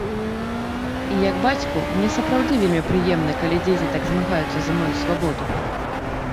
І як бацьку, мне сапраўды вельмі прыемна, калі дзеці так змагаюцца за маю свабоду.